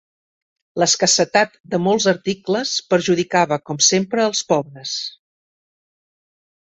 L'escassetat de molts articles perjudicava, com sempre els pobres